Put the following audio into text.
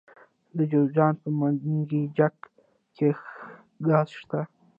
د جوزجان په منګجیک کې ګاز شته.